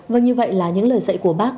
vâng như vậy là những lời dạy của bác